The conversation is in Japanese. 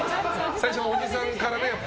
最初はおじさんからね。